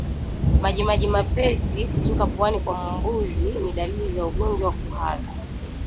Majimaji mepesi kutoka puani kwa mbuzi ni dalili za ugonjwa wa kuhara